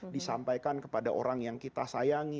disampaikan kepada orang yang kita sayangi